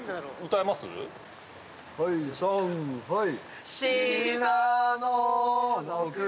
はいさんはい。